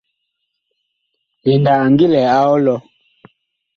PENDA a ngi lɛ a ɔlɔ.